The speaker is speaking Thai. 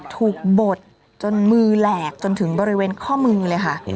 บดจนมือแหลกจนถึงบริเวณข้อมือเลยค่ะ